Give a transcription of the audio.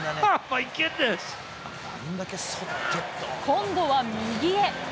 今度は右へ。